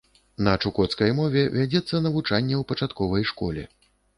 На чукоцкай мове вядзецца навучанне ў пачатковай школе.